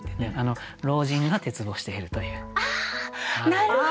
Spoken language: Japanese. なるほど！